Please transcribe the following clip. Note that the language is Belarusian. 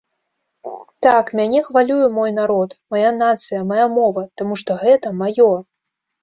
Так, мяне хвалюе мой народ, мая нацыя, мая мова, таму што гэта маё.